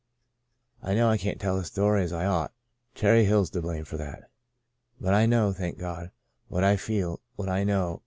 I know I can't tell the story as I ought — Cherry Hill's to blame for that. But I know, thank God, what I feel — what I know.